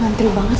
mantel banget lagi